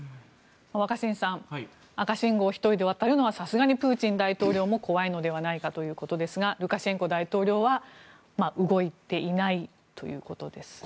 若新さん赤信号１人で渡るのはさすがにプーチン大統領も怖いのではないかということですがルカシェンコ大統領は動いていないということですが。